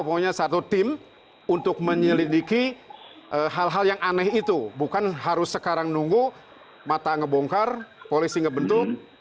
pokoknya satu tim untuk menyelidiki hal hal yang aneh itu bukan harus sekarang nunggu mata ngebongkar polisi ngebentuk